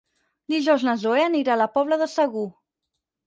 Dijous na Zoè anirà a la Pobla de Segur.